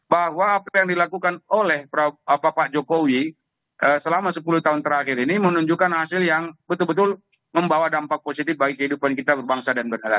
bahwa apa yang dilakukan oleh pak jokowi selama sepuluh tahun terakhir ini menunjukkan hasil yang betul betul membawa dampak positif bagi kehidupan kita berbangsa dan bernegara